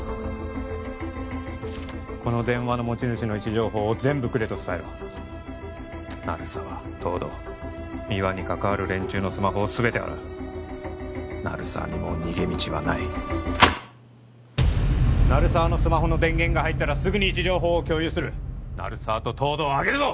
この電話の持ち主の位置情報を全部くれと伝えろ鳴沢東堂三輪に関わる連中のスマホを全て洗う鳴沢にもう逃げ道はない鳴沢のスマホの電源が入ったらすぐに位置情報を共有する鳴沢と東堂を挙げるぞ！